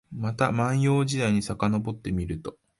また万葉時代にさかのぼってみると、